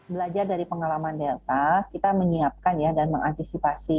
belajar dari pengalaman delta kita menyiapkan ya dan mengantisipasi